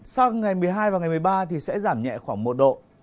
sang ngày một mươi hai và ngày một mươi ba thì sẽ giảm nhẹ khoảng một độ